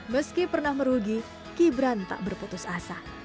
meski pernah merugi gibran tak berputus asa